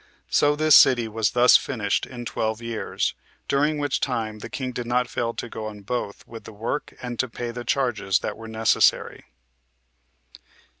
So this city was thus finished in twelve years; 18 during which time the king did not fail to go on both with the work, and to pay the charges that were necessary.